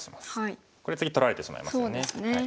これ次取られてしまいますよね。